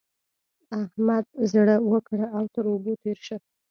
احمد زړه وکړه او تر اوبو تېر شه.